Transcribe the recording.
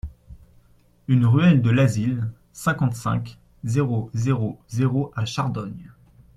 un ruelle de l'Asile, cinquante-cinq, zéro zéro zéro à Chardogne